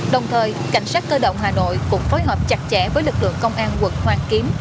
đồng thời cảnh sát cơ động hà nội cũng phối hợp chặt chẽ với lực lượng công an quận hoàn kiếm